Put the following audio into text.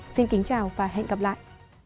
xin kính chào và hẹn gặp lại